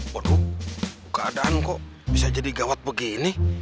waduh keadaan kok bisa jadi gawat begini